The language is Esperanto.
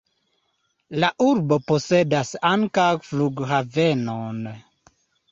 La urbo posedas ankaŭ flughavenon.